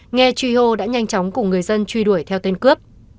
nghe truy hô đã nhanh chóng cùng người dân truy đuổi theo tên cướp